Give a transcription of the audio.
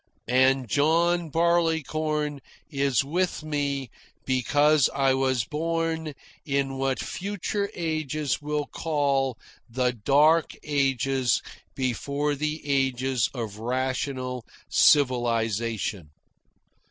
And John Barleycorn is with me because I was born in what future ages will call the dark ages before the ages of rational civilisation.